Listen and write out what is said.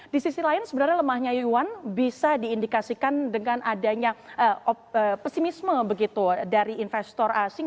di sisi lain sebenarnya lemahnya yuan bisa diindikasikan dengan adanya pesimisme begitu dari investor asing